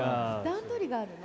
段取りがあるの？